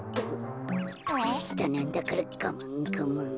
こころのこえとししたなんだからがまんがまん。